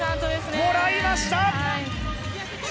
もらいました。